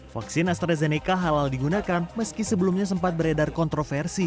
vaksin astrazeneca halal digunakan meski sebelumnya sempat beredar kontroversi